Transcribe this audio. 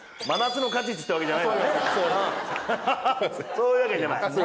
そういうわけじゃないよね。